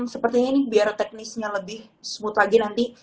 sepertinya ini biar teknisnya lebih smooth lagi nanti